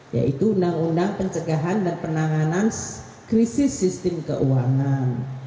yaitu undang undang pencegahan dan penanganan krisis sistem keuangan